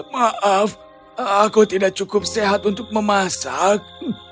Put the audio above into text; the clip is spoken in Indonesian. maaf aku tidak cukup sehat untuk memasak